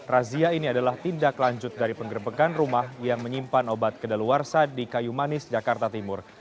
razia ini adalah tindak lanjut dari penggerbekan rumah yang menyimpan obat kedaluarsa di kayu manis jakarta timur